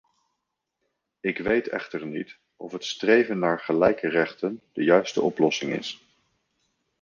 Ik weet echter niet of het streven naar gelijke rechten de juiste oplossing is.